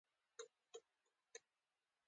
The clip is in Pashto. پېښور د بې وطنۍ په زمانه کې د اور څخه ډک وو.